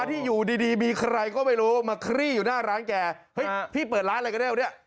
ที่อยู่ดีมีใครก็ไม่รู้มาคลี่อยู่หน้าร้านแกพี่เปิดร้านอะไรกันเนี่ย